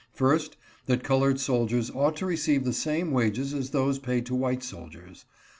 First, that colored soldiers ought to receive the same wages as those paid to white sol diers.